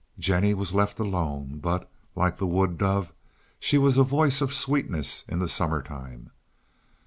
Jennie was left alone, but, like the wood dove, she was a voice of sweetness in the summer time.